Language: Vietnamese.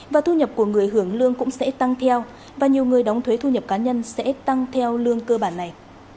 và thu nhập của người hưởng lương cũng sẽ tăng theo và nhiều người đóng thuế thu nhập cá nhân sẽ tăng theo lương cơ bản này